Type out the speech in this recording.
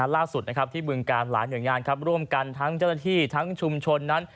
ล่าสุดที่บึงการหลายหน่วยงานร่วมกันทั้งเจ้าหน้าที่ทั้งชุมชนนั้น